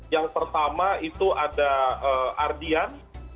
yang pertama itu ada ardian